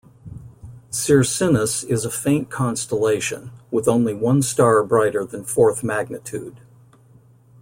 Circinus is a faint constellation, with only one star brighter than fourth magnitude.